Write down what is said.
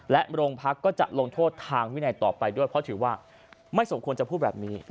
โรงพักก็จะลงโทษทางวินัยต่อไปด้วยเพราะถือว่าไม่สมควรจะพูดแบบนี้